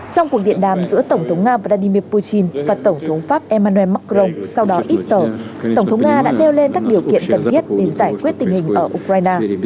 trong cuộc điện đàm giữa tổng thống nga vladimir putin và tổng thống pháp emmanuel macron sau đó ít giờ tổng thống nga đã nêu lên các điều kiện cần thiết để giải quyết tình hình ở ukraine